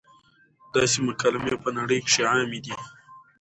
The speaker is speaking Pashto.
داسې مکالمې پۀ نړۍ کښې عامې دي -